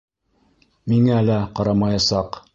Миңә лә ҡарамаясаҡ.